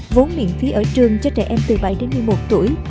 vốn miễn phí ở trường cho trẻ em từ bảy đến một mươi một tuổi